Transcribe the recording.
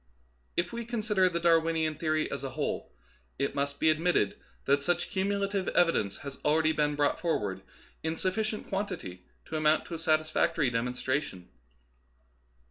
If we consider the Darwinian theory as a whole, it must be admitted that such cumulative evi dence has already been brought forward in suffi cient quantity to amount to a satisfactory demon stration.